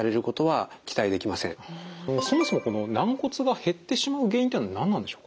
そもそもこの軟骨が減ってしまう原因っていうのは何なんでしょうか？